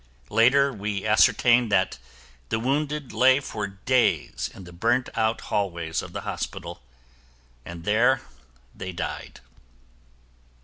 Later, we ascertain that the wounded lay for days in the burnt out hallways of the hospital and there they died.